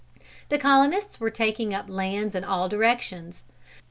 The colonists were taking up lands in all directions.